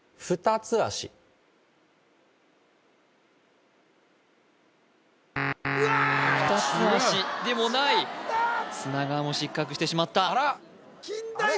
ふたつあしでもない砂川も失格してしまったあらっ